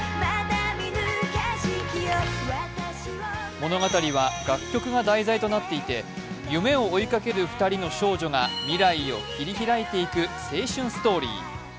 物語は楽曲が題材となっていて、夢を追いかける２人の少女が未来を切り開いていく青春ストーリー。